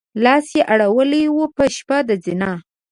لاس يې اړولی و په شپه د ناز